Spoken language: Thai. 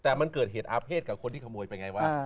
แต่มันเกิดเหตุอาเภษกับคนที่ขโมยไปไงวะ